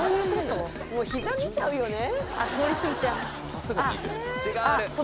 もう膝見ちゃうよね。